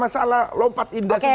masalah lompat indah semuanya